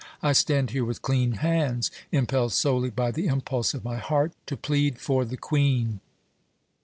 I stand here with clean hands, impelled solely by the impulse of my heart, to plead for the Queen.